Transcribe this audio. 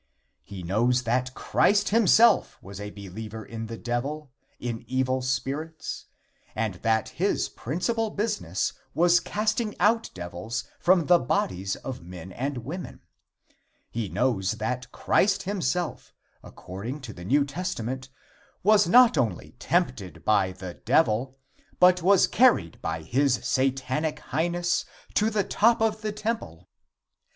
He knows that Christ himself was a believer in the Devil, in evil spirits, and that his principal business was casting out devils from the bodies of men and women. He knows that Christ himself, according to the New Testament, was not only tempted by the Devil, but was carried by his Satanic Highness to the top of the temple.